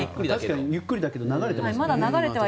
ゆっくりだけど流れてますね。